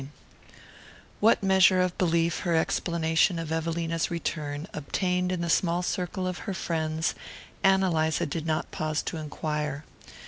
XII What measure of belief her explanation of Evelina's return obtained in the small circle of her friends Ann Eliza did not pause to enquire.